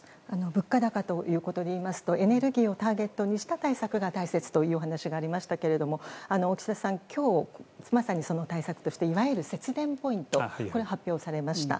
物価高ということで言いますとエネルギーをターゲットにした対策が大事だということでしたが岸田さんは、今日まさにその対策として節電ポイントを発表されました。